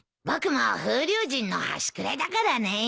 僕も風流人の端くれだからね。